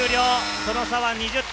その差は２０点。